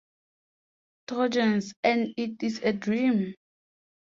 "Trojans" and "Is It A Dream?